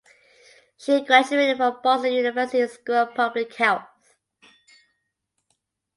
She graduated from Boston University School of Public Health.